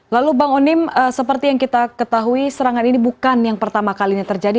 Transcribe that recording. lalu bang onim seperti yang kita ketahui serangan ini bukan yang pertama kalinya terjadi